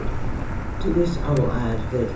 To this, I will add that "